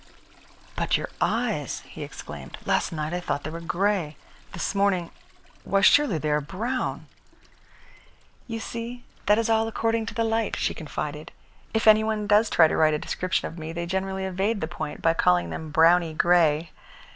"But your eyes!" he exclaimed. "Last night I thought they were grey. This morning why, surely they are brown?" "You see, that is all according to the light," she confided. "If any one does try to write a description of me, they generally evade the point by calling them browny grey.